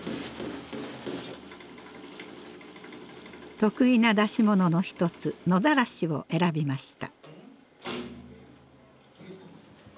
得意な出し物の一つ「野ざらし」を選びました。